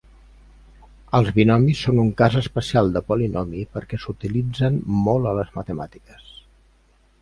Els binomis són un cas especial de polinomi perquè s'utilitzen molt a les matemàtiques.